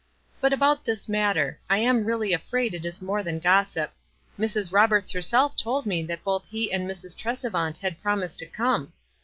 "But about this matter. I am really afraid it is more than gossip. Mrs. Roberts herself told me that, both he and Mrs. Tresevant had prom ised to come.